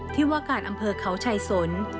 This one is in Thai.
ที่ว่าการอำเภอเขาชายสน